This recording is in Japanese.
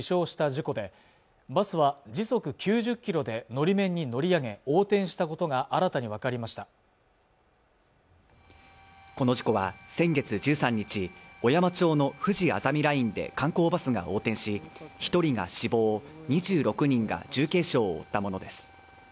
事故でバスは時速９０キロでのり面に乗り上げ横転したことが新たに分かりましたこの事故は先月１３日小山町のふじあざみラインで観光バスが横転し一人が死亡２６人が重軽傷を負ったものです